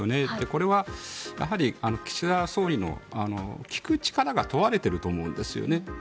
これはやはり岸田総理の聞く力が問われてると思うんですよね。